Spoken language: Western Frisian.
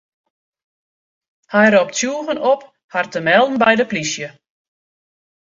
Hy ropt tsjûgen op har te melden by de plysje.